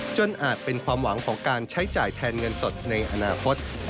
อาจเป็นความหวังของการใช้จ่ายแทนเงินสดในอนาคต